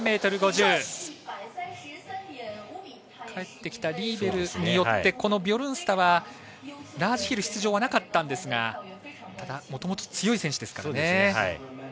帰ってきたリーベルによってビョルンスタはラージヒル出場はなかったんですがただ、もともと強い選手ですから。